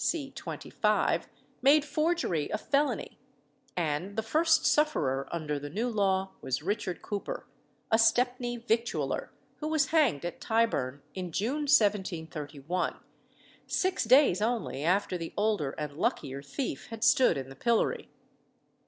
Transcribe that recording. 25, made forgery a felony; and the first sufferer under the new law was Richard Cooper, a Stepney victualler, who was hanged at Tyburn, in June 1731, six days only after the older and luckier thief had stood in the pillory.